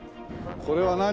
これは何？